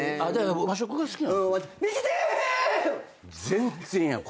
全然やん。